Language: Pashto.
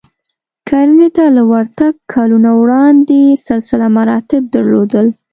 کرنې ته له ورتګ کلونه وړاندې سلسله مراتب درلودل